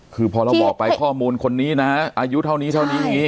คือพอเราบอกไปข้อมูลคนนี้นะอายุเท่านี้เท่านี้อย่างนี้